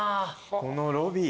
このロビー。